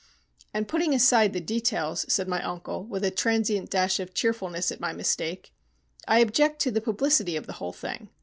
"And putting aside the details," said my uncle, with a transient dash of cheerfulness at my mistake; "I object to the publicity of the whole thing.